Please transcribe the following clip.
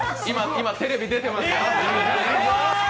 今、テレビ出てますよ。